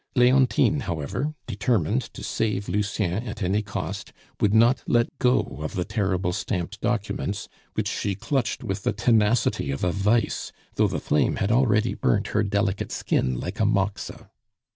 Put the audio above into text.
Leontine, however, determined to save Lucien at any cost, would not let go of the terrible stamped documents, which she clutched with the tenacity of a vise, though the flame had already burnt her delicate skin like a moxa.